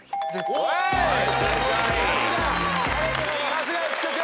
さすが浮所君。